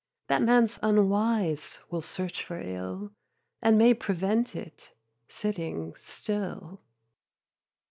That man's unwise will search for ill, And may prevent it, sitting still.